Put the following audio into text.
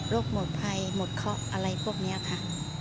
หมดภัยหมดเคาะอะไรพวกนี้ค่ะ